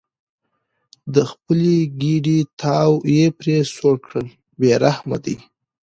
د خپلې ګېډې تاو یې پرې سوړ کړل بې رحمه دي.